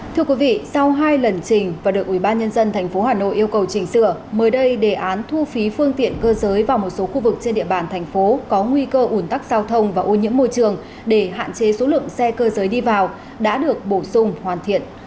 thưa quý vị sau hai lần trình và được ubnd tp hà nội yêu cầu chỉnh sửa mới đây đề án thu phí phương tiện cơ giới vào một số khu vực trên địa bàn thành phố có nguy cơ ủn tắc giao thông và ô nhiễm môi trường để hạn chế số lượng xe cơ giới đi vào đã được bổ sung hoàn thiện